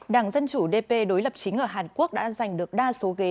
đảng dân chủ dp đối lập chính ở hàn quốc đã giành được đa số ghế